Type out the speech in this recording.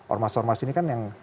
ormas ormas ini kan yang